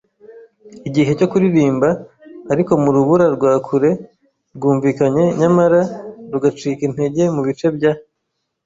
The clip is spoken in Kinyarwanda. igihe cyo kuririmba, ariko murubura rwa kure rwumvikanye nyamara rugacika intege mubice bya